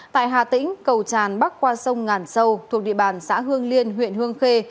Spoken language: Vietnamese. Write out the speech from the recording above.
tại hà tĩnh cầu tràn bắc qua sông ngàn sâu thuộc địa bàn xã hương liên huyện hương khê